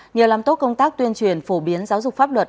nhờ làm tốt công tác tuyên truyền phổ biến giáo dục pháp luật